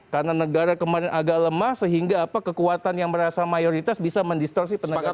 karena negara kemarin agak lemah sehingga kekuatan yang merasa mayoritas bisa mendistorsi penegakan hukum